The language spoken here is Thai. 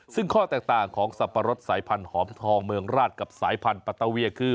ซึ่งข้อแตกต่างของสับปะรดสายพันธอมทองเมืองราชกับสายพันธัตตาเวียคือ